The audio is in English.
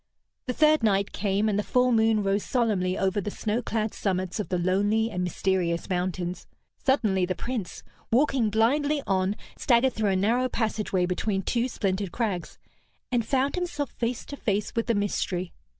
The third night came, and the full moon rose solemnly over the snow clad summits of the lonely and mysterious mountains. Suddenly the Prince, walking blindly on, staggered through a narrow passage way between two splintered crags, and found himself face to face with the mystery.